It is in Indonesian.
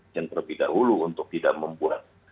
yang terlebih dahulu untuk tidak membuat